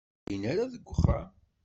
Ur llin ara deg uxxam.